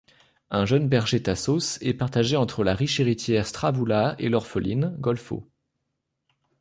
Un jeune berger Tassos est partagé entre la riche héritière Stavroula et l'orpheline, Golfo.